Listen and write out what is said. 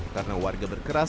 karena warga berkeras